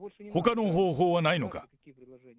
ほかの方法はないのか？